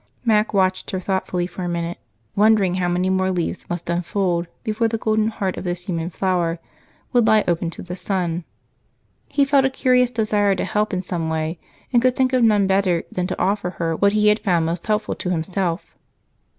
Mac watched her thoughtfully for a minute, wondering how many more leaves must unfold before the golden heart of this human flower would lie open to the sun. He felt a curious desire to help in some way, and could think of none better than to offer her what he had found most helpful to himself.